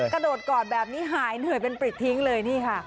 กระโดดกอดแบบนี้หายเหนื่อยเป็นปริดทิ้งเลยนี่ค่ะ